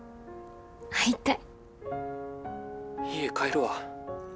家帰るわ。